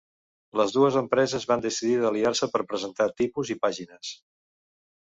Les dues empreses van decidir d'aliar-se per presentar tipus i pàgines.